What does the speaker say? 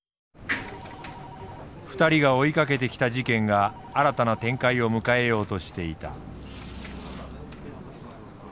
２人が追いかけてきた事件が新たな展開を迎えようとしていた。